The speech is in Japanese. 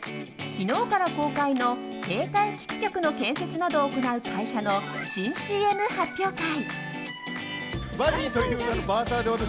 昨日から公開の携帯基地局の建設などを行う会社の新ＣＭ発表会。